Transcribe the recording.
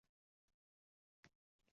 Befarzand bo`lganimizda ham tushunardim